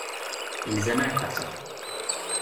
Ils aimèrent ta sœur.